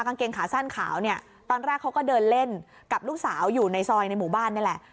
กางเกงขาสั้นขาวเนี่ยตอนแรกเขาก็เดินเล่นกับลูกสาวอยู่ในซอยในหมู่บ้านนี่แหละ